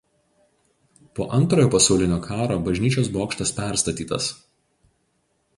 Po Antrojo pasaulinio karo bažnyčios bokštas perstatytas.